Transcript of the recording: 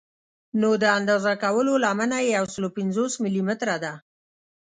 نو د اندازه کولو لمنه یې یو سل او پنځوس ملي متره ده.